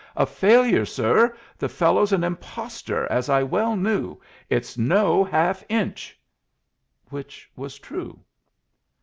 "A failure, sir! The fellow's an impostor, as I well knew. It's no half inch!" Which was true.